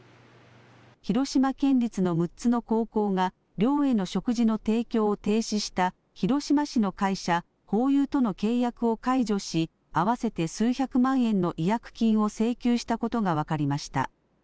広島県立の６つの高校が、寮への食事の提供を停止した広島市の会社、ホーユーとの契約を解除し、合わせて数百万円の違約金を請求したことが分かりました。